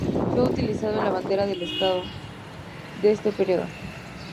Fue utilizado en la bandera del Estado de este periodo.